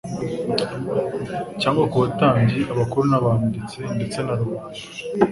cyangwa ku batambyi abakuru n'abanditsi ndetse na rubanda.